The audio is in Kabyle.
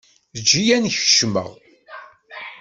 Ejj-iyi ad n-kecmeɣ.